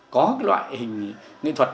có loại hình nghệ thuật